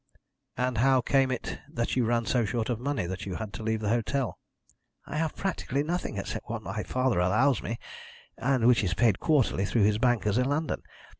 "And how came it that you ran so short of money that you had to leave the hotel?" "I have practically nothing except what my father allows me, and which is paid quarterly through his bankers in London.